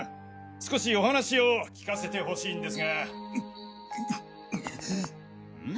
少しお話を聞かせてほしいんですが。